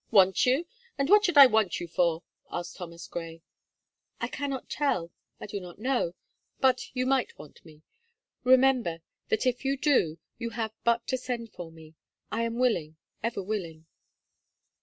"Want you? and what should I want you for?" asked Thomas Gray. "I cannot tell, I do not know; but you might want me. Remember, that if you do, you have but to send for me. I am willing, ever willing."